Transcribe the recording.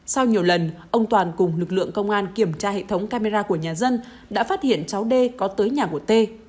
sau nhiều lần ông toàn cùng lực lượng công an kiểm tra hệ thống camera của nhà dân đã phát hiện cháu d có tới nhà của tê